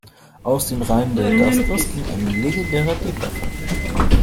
Aus den Reihen der Dusters ging ein legendärer Dieb hervor.